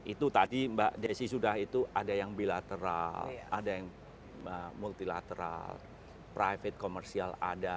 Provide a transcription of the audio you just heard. itu tadi mbak desi sudah itu ada yang bilateral ada yang multilateral private komersial ada